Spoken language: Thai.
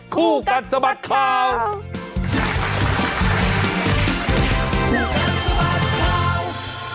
คู่กันสมัครข่าว